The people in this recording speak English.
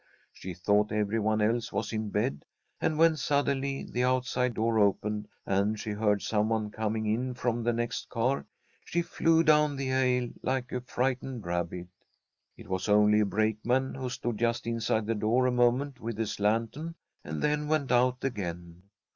She thought every one else was in bed, and when suddenly the outside door opened and she heard some one coming in from the next car, she flew down the aisle like a frightened rabbit. It was only a brakeman who stood just inside the door a moment with his lantern, and then went out again.